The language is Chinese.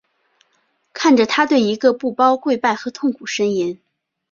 看着他对着一个布包跪拜和痛苦呻吟。